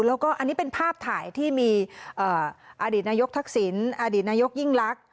แล้วก็อันนี้เป็นภาพถ่ายที่มีอดีตนายกทักษิณอดีตนายกยิ่งลักษ